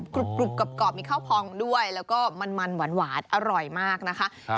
กรุบกรอบมีข้าวพองด้วยแล้วก็มันหวานอร่อยมากนะคะ